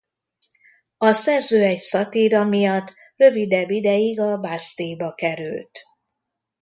A szerző egy szatíra miatt rövidebb ideig a Bastille-ba került.